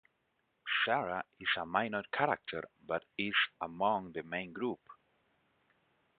Sara is a minor character but is among the main group.